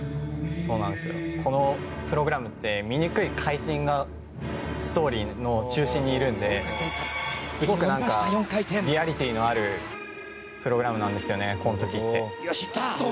このプログラムって醜い怪人がストーリーの中心にいるのですごくリアリティーのあるプログラムなんですよね。